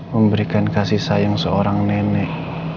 memberikan kasih sayang seorang nenek